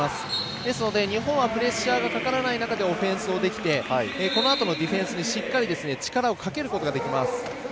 ですので日本はプレッシャーがかからない中でオフェンスをできてこのあとのディフェンスにしっかり力をかけることができます。